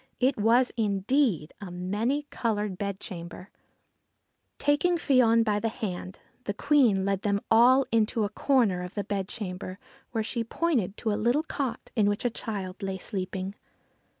It was indeed a many coloured bedchamber ! 75 QUEEN OF THE MANY COLOURED BEDCHAMBER Taking Fion by the hand, the Queen led them all into a corner of the bedchamber, where she pointed to a little cot in which a child lay sleeping.